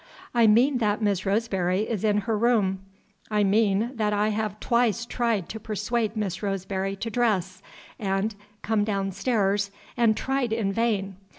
"I mean that Miss Roseberry is in her room. I mean that I have twice tried to persuade Miss Roseberry to dress and come downstairs, and tried in vain.